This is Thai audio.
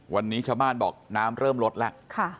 วันนี้ชาวบ้านบอกน้ำเริ่มลดแล้ว